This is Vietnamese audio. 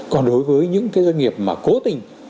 còn đối với những doanh nghiệp mà cố tình